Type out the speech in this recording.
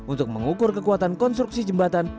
untuk mengukur kekuatan konstruksi jembatan